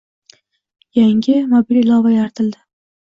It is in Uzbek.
Yangi mobil ilova yaratilding